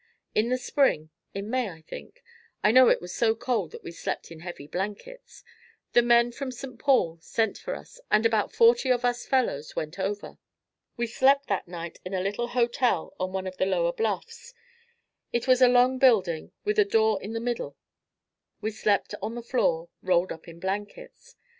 In the Spring in May, I think, I know it was so cold that we slept in heavy blankets, the men from St. Paul sent for us and about forty of us fellows went over. We slept that night in a little hotel on one of the lower bluffs. It was a long building with a door in the middle. We slept on the floor, rolled up in blankets.